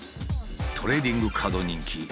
トレーディングカード人気